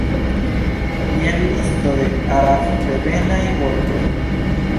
Jen listo de arabdevenaj vortoj.